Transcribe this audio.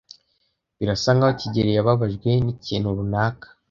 Birasa nkaho kigeli yababajwe n'ikintu runaka.